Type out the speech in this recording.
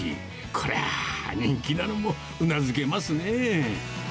こりゃあ、人気なのもうなずけますね。